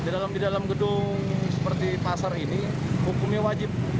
di dalam gedung seperti pasar ini hukumnya wajib